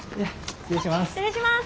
失礼します。